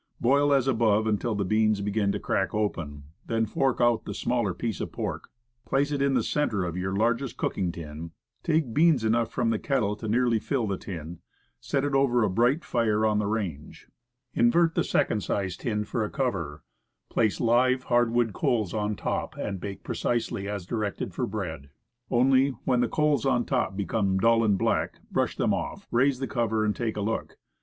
Boil as above, until the beans begin to crack open; then fork out the Baked Beans, 163 Smaller piece of pork, place it in the center of your largest cooking tin, take beans enough from the ket tle to nearly fill the tin, set it over a bright fire on the range, invert the second sized tin for a cover, place live, hard wood coals on top, and bake precisely as directed for bread only, when the coals on top become dull and black, brush them off, raise the cover, and take a look.